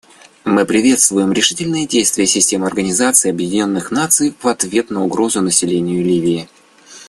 Мы приветствуем решительные действия системы Организации Объединенных Наций в ответ на угрозу населению Ливии.